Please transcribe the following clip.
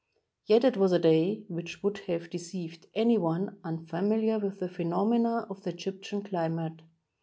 Yet it was a day which would have deceived any one unfamiliar with the phenomena of the Egyptian climate.